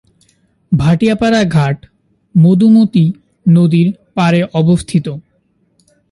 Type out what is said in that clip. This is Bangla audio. ভাটিয়াপাড়া ঘাট মধুমতি নদীর পাড়ে অবস্থিত।